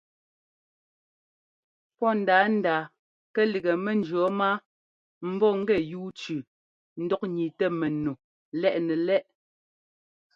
Pɔ́ ndǎandǎa kɛ lígɛ mɛnjʉ̈ɔɔ máa m bɔ́ gɛ yúu tsʉʉ ńdɔk ńniitɛ mɛnu lɛꞌ nɛ lɛʼ.